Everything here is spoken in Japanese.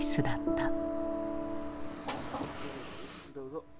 どうぞ。